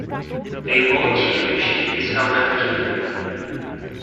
A World Championship is held every year.